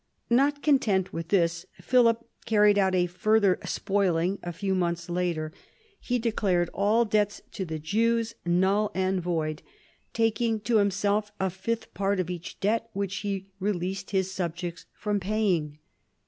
Not content with this Philip carried out a further "spoiling" a few months later. He declared all debts to the Jews null and void, taking to himself a fifth part of each debt which he released his subjects from paying.